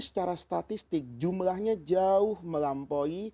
secara statistik jumlahnya jauh melampaui